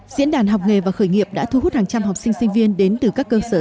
diễn đàn học nghề và khởi nghiệp đã thu hút hàng trăm học sinh sinh viên đến từ các cơ sở